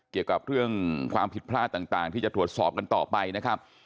เกี่ยวกับเรื่องความผิดพลาดต่างที่จะตรวจสอบกันต่อไปนะครับ